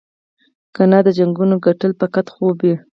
کنه د جنګونو ګټل به فقط خوب وي.